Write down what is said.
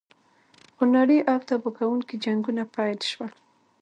خونړي او تباه کوونکي جنګونه پیل شول.